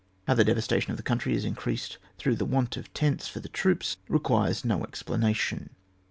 How the devastation of the country is increased through the want of tents for the troops requires no explanation.